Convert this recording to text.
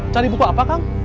cari buku apa kang